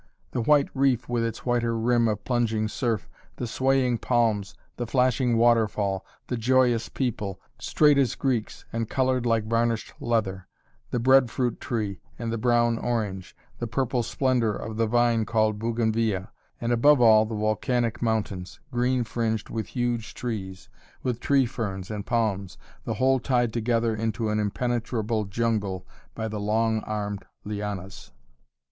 The white reef with its whiter rim of plunging surf, the swaying palms, the flashing waterfall, the joyous people, straight as Greeks and colored like varnished leather, the bread fruit tree and the brown orange, the purple splendor of the vine called Bougainvillia, and above all the volcanic mountains, green fringed with huge trees, with tree ferns and palms, the whole tied together into an impenetrable jungle by the long armed lianas.